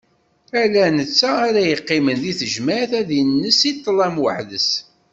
Ala netta ara yeqqimen deg tejmeɛt, ad ines i ṭlam weḥd-s.